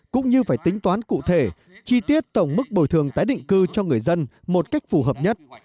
cũng như phải tính toán cụ thể chi tiết tổng mức bồi thường tái định cư cho người dân một cách phù hợp nhất